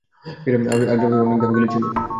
অজয় তোমার সাথে অনেক দাবা খেলেছি আমি।